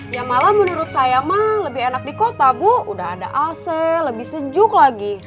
ya malah menurut saya mah lebih enak di kota bu udah ada ac lebih sejuk lagi